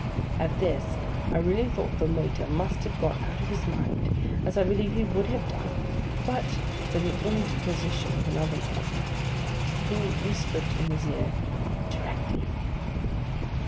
At this, I really thought the waiter must have gone out of his mind: as I believe he would have done, but for the interposition of another man, who whispered in his ear, 'Directly.